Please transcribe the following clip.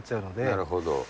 なるほど。